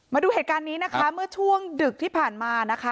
มาดูเหตุการณ์นี้นะคะเมื่อช่วงดึกที่ผ่านมานะคะ